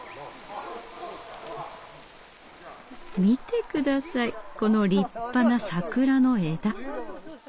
見て下さいこの立派な桜の枝。